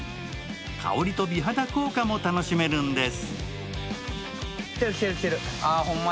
香りと美肌効果も楽しめるんです。